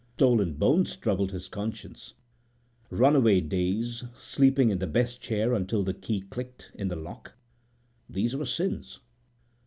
Stolen bones troubled his conscience, runaway days, sleeping in the best chair until the key clicked in the lock. These were sins.